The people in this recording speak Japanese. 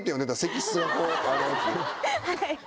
はい。